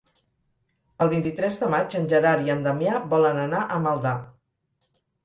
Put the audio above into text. El vint-i-tres de maig en Gerard i en Damià volen anar a Maldà.